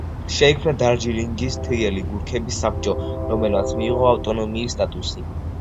შეიქმნა დარჯილინგის მთიელი გურქების საბჭო, რომელმაც მიიღო ავტონომიის სტატუსი.